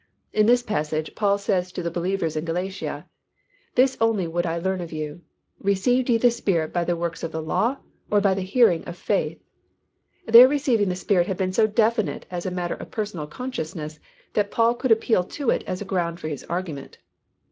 In this passage Paul says to the believers in Galatia, "This only would I learn of you, Received ye the Spirit by the works of the law, or by the hearing of faith?" Their receiving the Spirit had been so definite as a matter of personal consciousness, that Paul could appeal to it as a ground for his argument.